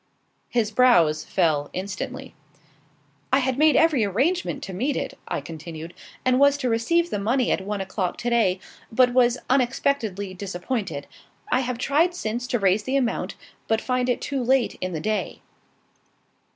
His brows fell instantly. "I had made every arrangement to meet it," I continued, "and was to receive the money at one o'clock to day, but was unexpectedly disappointed. I have tried since to raise the amount, but find it too late in the day."